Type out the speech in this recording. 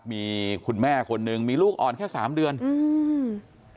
มีคุณแม่คนหนึ่งมีลูกอ่อนแค่สามเดือนอืม